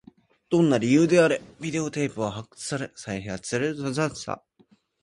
どんな理由であれ、ビデオテープは発掘され、再放送されることになった